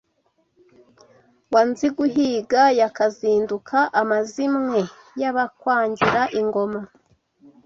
Wa Nziguhiga ya Kizinduka, Amazimwe y’abakwangira ingoma